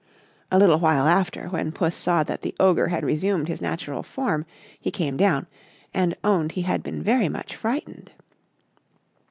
A little while after, when Puss saw that the Ogre had resumed his natural form, he came down, and owned he had been very much frightened.